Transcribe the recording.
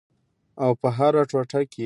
او په هره ټوټه کې یې